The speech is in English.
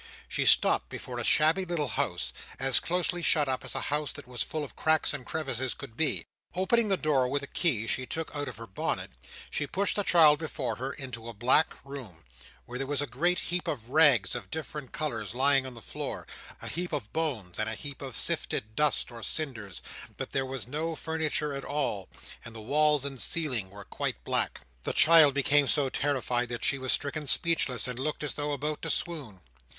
She stopped before a shabby little house, as closely shut up as a house that was full of cracks and crevices could be. Opening the door with a key she took out of her bonnet, she pushed the child before her into a back room, where there was a great heap of rags of different colours lying on the floor; a heap of bones, and a heap of sifted dust or cinders; but there was no furniture at all, and the walls and ceiling were quite black. The child became so terrified the she was stricken speechless, and looked as though about to swoon.